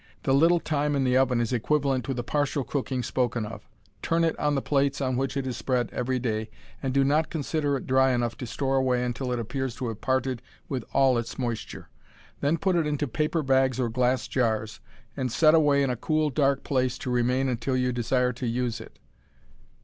The little time in the oven is equivalent to the partial cooking spoken of. Turn it on the plates on which it is spread every day, and do not consider it dry enough to store away until it appears to have parted with all its moisture. Then put it into paper bags or glass jars, and set away in a cool, dark place to remain until you desire to use it.